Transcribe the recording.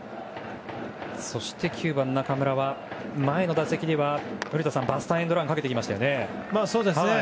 そして９番の中村は前の打席では古田さんバスターエンドランかけてきましたね。